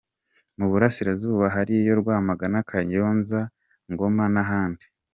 Mu Burasirazuba hariyo: Rwamagana, Kayonza, Ngoma n’ahandi.